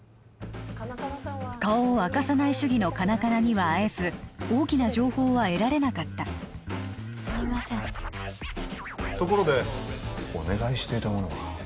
顔を明かさない主義のカナカナには会えず大きな情報は得られなかったすみませんところでお願いしていたものは？